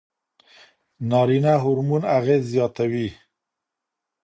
نارینه هورمون اغېز زیاتوي.